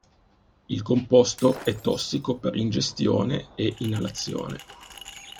Il composto è tossico per ingestione e inalazione.